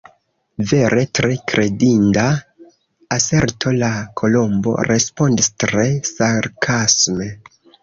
"Vere tre kredinda aserto!" la Kolombo respondis tre sarkasme. "